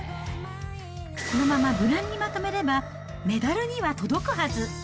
このまま無難にまとめれば、メダルには届くはず。